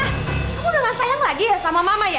kamu udah nggak sayang lagi ya sama mama ya